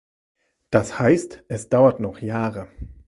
Das heißt, es dauert noch Jahre.